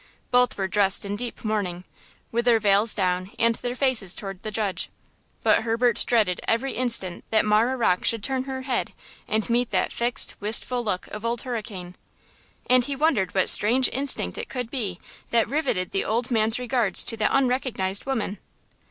Both were dressed in deep mourning, with their veils down and their faces toward the judge. But Herbert dreaded every instant that Marah Rocke should turn her head and meet that fixed, wistful look of Old Hurricane. And he wondered what strange instinct it could be that riveted the old man's regards to that unrecognized woman.